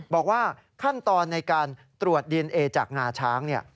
บอกว่าขั้นตอนในการตรวจดีเอนเอจากงาช้าง